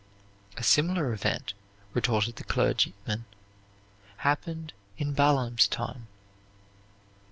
"A similar event," retorted the clergyman, "happened in Balaam's time."